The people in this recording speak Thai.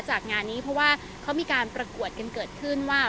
จากงานนี้เพราะว่าเขามีการประกวดกันเกิดขึ้นว่า